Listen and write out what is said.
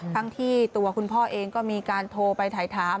ทั้งที่ตัวคุณพ่อเองก็มีการโทรไปถ่ายถาม